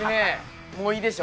もういいでしょ。